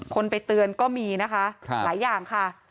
ไปเตือนก็มีนะคะหลายอย่างค่ะ